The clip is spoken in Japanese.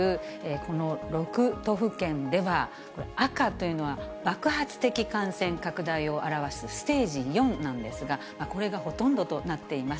この６都府県では、赤というのは爆発的感染拡大を表すステージ４なんですが、これがほとんどとなっています。